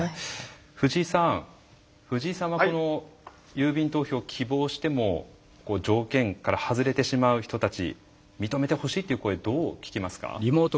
藤井さん藤井さんはこの郵便投票を希望しても条件から外れてしまう人たち認めてほしいという声どう聞きますか？